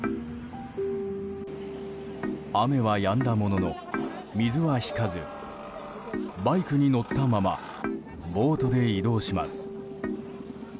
雨はやんだものの水は引かずバイクに乗ったままボートで移動します。